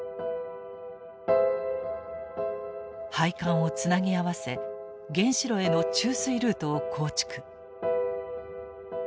配管をつなぎ合わせ原子炉への注水ルートを構築。